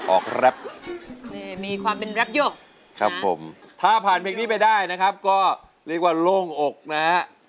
แรปนี่มีความเป็นแรปหยกครับผมถ้าผ่านเพลงนี้ไปได้นะครับก็เรียกว่าโล่งอกนะฮะ